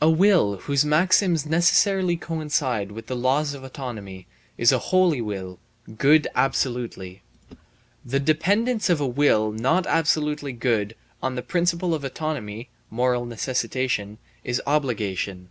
A will whose maxims necessarily coincide with the laws of autonomy is a holy will, good absolutely. The dependence of a will not absolutely good on the principle of autonomy (moral necessitation) is obligation.